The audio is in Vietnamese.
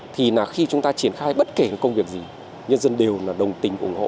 thì là khi chúng ta triển khai bất kể công việc gì nhân dân đều đồng tình ủng hộ